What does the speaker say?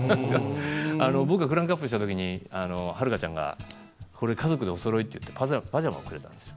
僕がクランクアップした時に遥ちゃんが、これ家族でおそろいってパジャマをくれたんですよ。